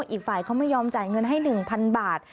อีกฝ่ายเขาไม่ยอมจ่ายเงินให้๑๐๐๐บาท